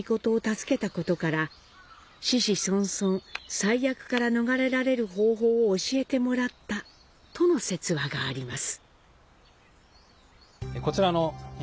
災厄から逃れられる方法を教えてもらったとの説話があります。